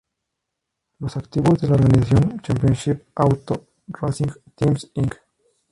Los activos de la organización Championship Auto Racing Teams Inc.